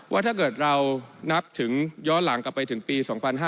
ว่าถ้าเกิดเรานับถึงย้อนหลังกลับไปถึงปี๒๕๕๙